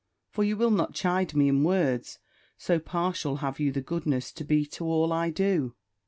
for you will not chide me in words, so partial have you the goodness to be to all I do."